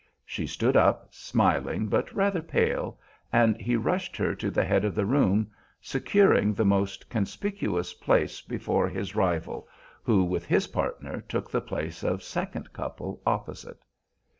She stood up, smiling but rather pale, and he rushed her to the head of the room, securing the most conspicuous place before his rival, who with his partner took the place of second couple opposite.